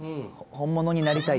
本物になりたい？